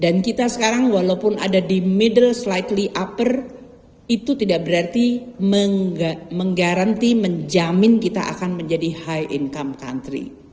dan kita sekarang walaupun ada di middle slightly upper itu tidak berarti menggaranti menjamin kita akan menjadi high income country